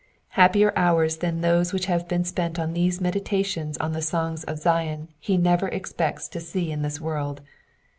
Happier hours than those which have been spent on these meditations on the songs of Zion he never expects to see in this world.